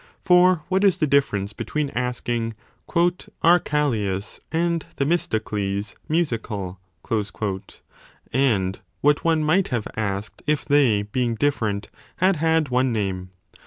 For what is the difference between asking Are 176* Callias and Themistocles musical ? and what one might have asked if they, being different, had had one name